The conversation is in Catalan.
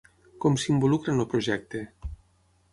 Com s’involucra en el projecte?